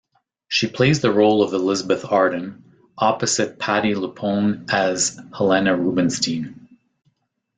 She plays the role of Elizabeth Arden, opposite Patti LuPone as Helena Rubinstein.